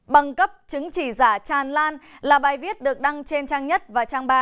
bằng cấp chứng chỉ giả tràn lan là bài viết được đăng trên trang nhất và trang ba